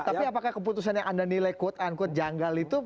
tapi apakah keputusannya anda nilai quote unquote janggal itu